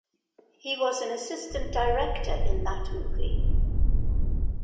He was an assistant director in that movie.